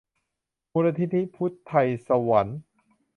มูลนิธิพุทไธศวรรค์